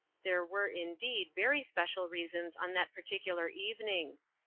There were, indeed, very special reasons on that particular evening.